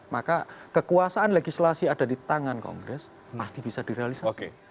maka kekuasaan legislasi ada di tangan kongres pasti bisa direalisasi